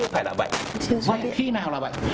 khi nào là bệnh